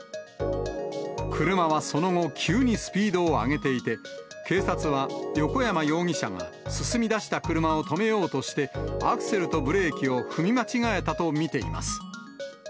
車はその後、急にスピードを上げていて、警察は、横山容疑者が進み出した車を止めようとして、アクセルとブレーキを踏み間違えたと見ています。